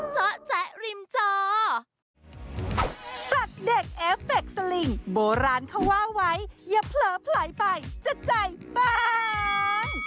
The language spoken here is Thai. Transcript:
สัตว์เด็กเอฟเฟคสลิงโบราณเขาว่าไว้อย่าเผลอไผลไปจะใจปั๊ง